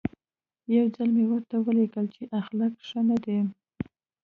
یو ځل مې ورته ولیکل چې اخلاق ښه نه دي.